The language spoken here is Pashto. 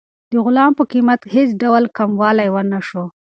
د غلام په قیمت کې هېڅ ډول کموالی ونه شو.